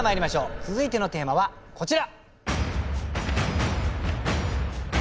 続いてのテーマはこちら。